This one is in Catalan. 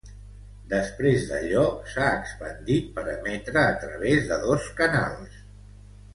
Després d"allò, s"ha expandit per emetre a través de dos canals.